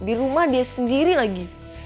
di rumah dia sendiri lagi